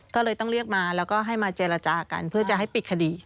ก็เลยต้องเรียกมาแล้วก็ให้มาเจรจากันเพื่อจะให้ปิดคดี